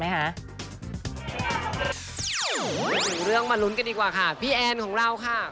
หนึ่งเรื่องมาลุ้นกันดีกว่าค่ะพี่แอนของเราค่ะ